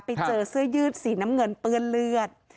ไปเจอเสื้อยืดสีน้ำเงินเปื้อนเลือด